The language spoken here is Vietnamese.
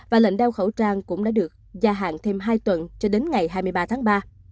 và lệnh đeo khẩu trang cũng đã được gia hạn thêm hai tuần cho đến ngày hai mươi ba tháng ba